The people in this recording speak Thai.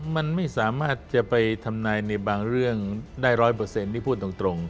มันไม่สามารถจะไปทำนายในบางเรื่องได้ร้อยเปอร์เซ็นต์ที่พูดตรง